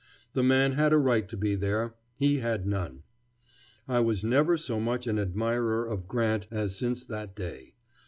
The man had a right to be there; he had none. I was never so much an admirer of Grant as since that day.